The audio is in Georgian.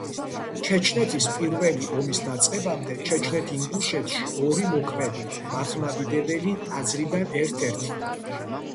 ჩეჩნეთის პირველი ომის დაწყებამდე ჩეჩნეთ-ინგუშეთში ორი მოქმედი მართლმადიდებელი ტაძრიდან ერთ-ერთი.